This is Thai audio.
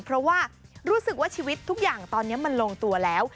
เพราะว่ารู้สึกว่าชีวิตทุกอย่างตอนนี้มันลงตัวแล้ว